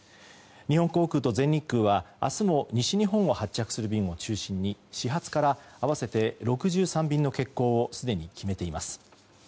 日本航空と全日空は明日も西日本を発着する便を中心に始発から合わせて６３便の欠航をすでに決めています。